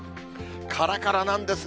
からからなんですね。